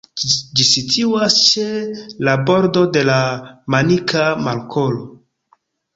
Ĝi situas ĉe la bordo de la Manika Markolo.